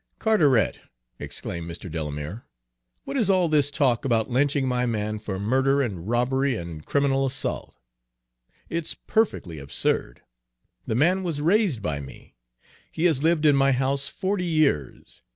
"Carteret," exclaimed Mr. Delamere, "what is all this talk about lynching my man for murder and robbery and criminal assault? It's perfectly absurd! The man was raised by me; he has lived in my house forty years.